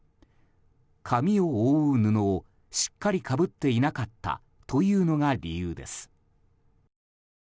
髪を覆う布をしっかりかぶっていなかったというのが理由です。